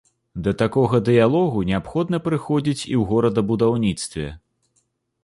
Да такога дыялогу неабходна прыходзіць і ў горадабудаўніцтве.